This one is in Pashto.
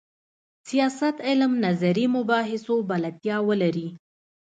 سیاست علم نظري مباحثو بلدتیا ولري.